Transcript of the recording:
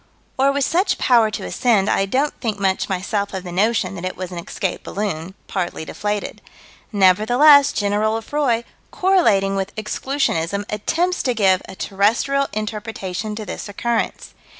Or with such power to ascend, I don't think much myself of the notion that it was an escaped balloon, partly deflated. Nevertheless, General Lefroy, correlating with Exclusionism, attempts to give a terrestrial interpretation to this occurrence.